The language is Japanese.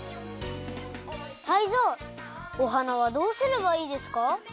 タイゾウおはなはどうすればいいですか？